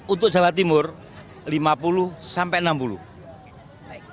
untuk jawa timur lima puluh sampai enam puluh